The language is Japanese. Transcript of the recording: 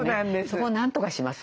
そこをなんとかします。